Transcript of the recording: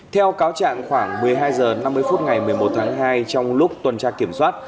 theo cáo trạng khoảng một mươi hai h năm mươi phút ngày một mươi một tháng hai trong lúc tuần tra kiểm soát